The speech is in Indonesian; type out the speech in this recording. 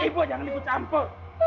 ibu jangan ikut campur